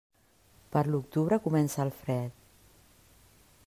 Per l'octubre comença el fred.